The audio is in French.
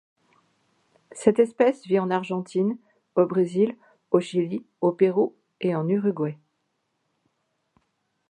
Cette espèce vit en Argentine, au Brésil, au Chili, au Pérou et en Uruguay.